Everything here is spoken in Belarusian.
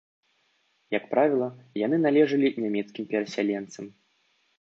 Як правіла, яны належылі нямецкім перасяленцам.